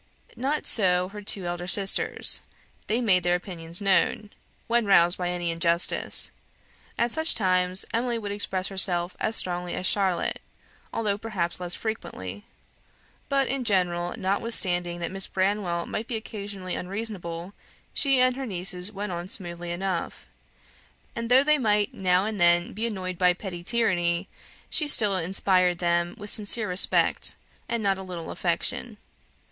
Not so her two elder sisters; they made their opinions known, when roused by any injustice. At such times, Emily would express herself as strongly as Charlotte, although perhaps less frequently. But, in general, notwithstanding that Miss Branwell might be occasionally unreasonable, she and her nieces went on smoothly enough; and though they might now and then be annoyed by petty tyranny, she still inspired them with sincere respect, and not a little affection.